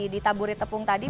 ditaburi tepung tadi